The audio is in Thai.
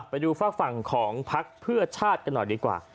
ไปดูฝากฝั่งของพักเพื่อชาติกันหน่อยดีกว่า